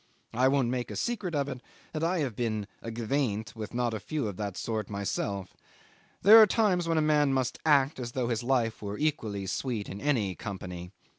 I won't make a secret of it that I had been "aguaindt" with not a few of that sort myself. There are times when a man must act as though life were equally sweet in any company.